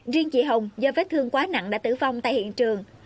riêng chị hồng do vết thương quá nặng đã tử vong tại hiện trường